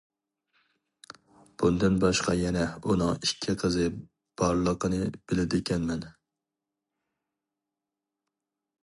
بۇندىن باشقا يەنە ئۇنىڭ ئىككى قىزى بارلىقىنى بىلىدىكەنمەن.